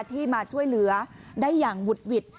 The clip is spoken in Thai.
ที่มาช่วยเหลือได้อย่างหุดหวิด